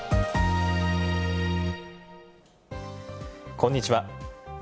こんにちは。